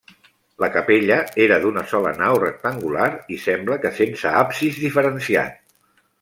La capella era d'una sola nau, rectangular i sembla que sense absis diferenciat.